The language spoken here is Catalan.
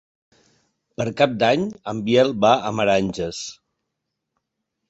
Per Cap d'Any en Biel va a Meranges.